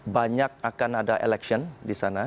banyak akan ada election di sana